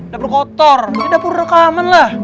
dapur kotor di dapur rekaman lah